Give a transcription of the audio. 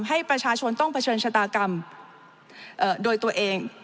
ให้ประชาชนต้องเผชิญชะตากรรมโดยตัวเอง